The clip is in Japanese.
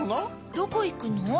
どこいくの？